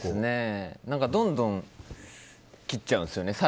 どんどん切っちゃうんですよね。